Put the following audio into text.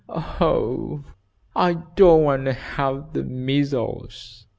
"Oh, I don't want to have the measles!"